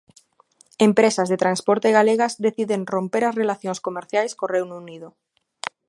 Empresas de transporte galegas deciden romper as relacións comerciais co Reino Unido.